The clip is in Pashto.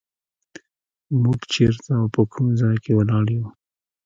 موږ چېرته او په کوم ځای کې ولاړ یو.